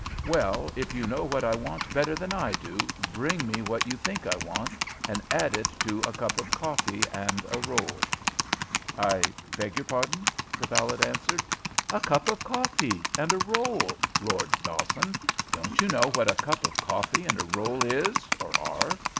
"Well, if you know what I want better than I do, bring me what you think I want, and add to it a cup of coffee and a roll." "I beg your pardon!" the valet returned. "A cup of coffee and a roll!" roared Dawson. "Don't you know what a cup of coffee and a roll is or are?